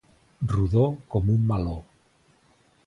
Rodó com un meló.